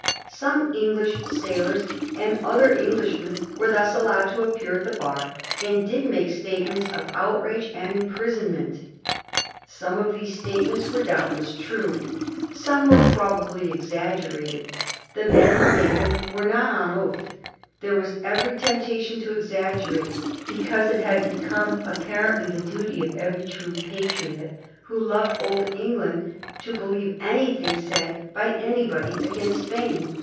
Some English sailors and other Englishmen were thus allowed to appear at the bar, and did make statements of outrage and imprison ment. Some of these statements were doubtless true, some were probably exaggerated; the men who made them were not on oath ; there was every temptation to exagger ate, because it had become apparently the duty of every true Patriot who loved old England to believe anything said by anybody against Spain.